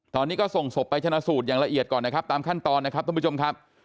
ตอนนี้ก็ส่งศพไปชนะสูตรอย่างละเอียดก่อนนะครับตามขั้นตอนนะครับท่านผู้ชมครับ